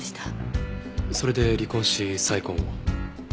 それで離婚し再婚を？